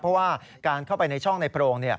เพราะว่าการเข้าไปในช่องในโพรง